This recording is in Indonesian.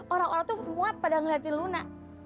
orang orang tuh semua pada ngeliatin luna